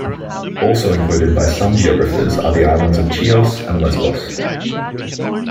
Also included by some geographers are the islands of Chios and Lesbos.